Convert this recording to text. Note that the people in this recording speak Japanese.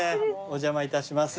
お邪魔いたします。